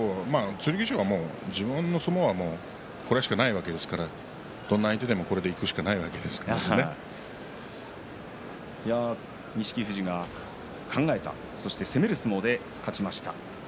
剣翔は自分の相撲はこれしかないですからどんな相手でも錦富士が考えて攻める相撲で勝ちました。